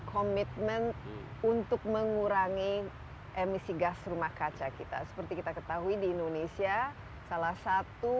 komitmen untuk mengurangi emisi gas rumah kaca kita seperti kita ketahui di indonesia salah satu